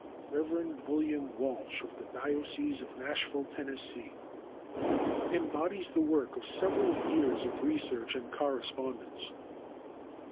Rev. William Walsh, of the diocese of Nashville, Tenn. "Embodies the Work of Several Years of Research and Correspondence."